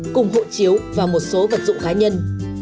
cùng hộ chiếu và một số vật dụng cá nhân